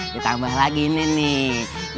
ditambah lagi ini nih